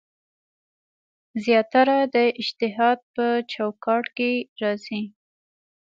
زیاتره د اجتهاد په چوکاټ کې راځي.